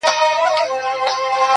مخامخ وو د سلمان دوکان ته تللی -